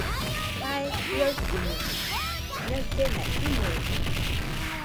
Jae jɨaɨkɨno ñaɨllena iñede.